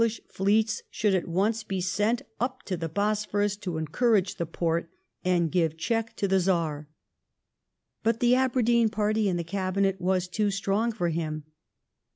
EngHdi fleeto should at onoe be sent up to the Bos phonis to eDooniage the Forte and give oheok to the Czar; but the Aberdeen party in the Cabinet was too strong for him.